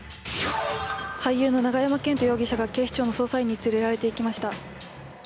俳優の永山絢斗容疑者が警視庁の捜査員に連れられていきました。